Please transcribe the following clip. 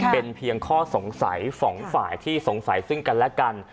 เป็นเพียงข้อสงสัยสองฝ่ายที่สงสัยซึ่งกันและกัน